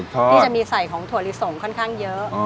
ที่จะมีใส่ของถั่วลิสงค่อนข้างเยอะ